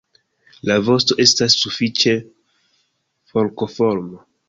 La vosto estas sufiĉe forkoforma.